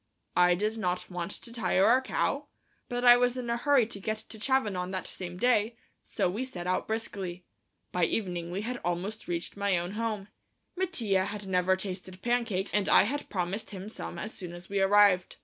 I did not want to tire our cow, but I was in a hurry to get to Chavanon that same day, so we set out briskly. By evening we had almost reached my old home. Mattia had never tasted pancakes, and I had promised him some as soon as we arrived.